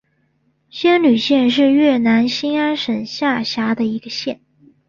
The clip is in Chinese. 仙侣县是越南兴安省下辖的一个县。